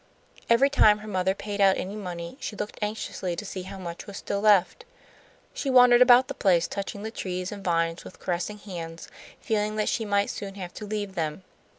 Every time her mother paid out any money she looked anxiously to see how much was still left. She wandered about the place, touching the trees and vines with caressing hands, feeling that she might soon have to leave them.